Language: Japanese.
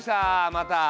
また。